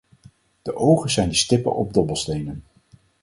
De ogen zijn de stippen op dobbelstenen.